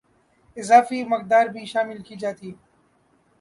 اضافی مقدار بھی شامل کی جاتی